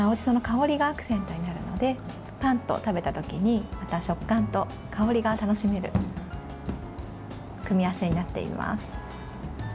その香りがアクセントになるのでパンと食べたときに食感と香りが楽しめる組み合わせになっています。